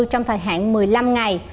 trong thời hạn một mươi năm ngày